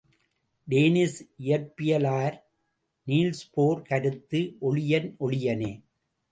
Danish இயற்பியலார் Niels Bohr கருத்து ஒளியன் ஒளியனே.